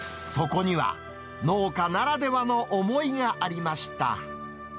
そこには、農家ならではの思いがありました。